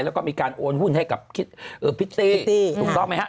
แล้วก็มีการโอนหุ้นให้กับพิตตี้ถูกต้องไหมฮะ